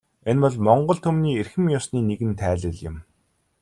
Энэ бол монгол түмний эрхэм ёсны нэгэн тайлал юм.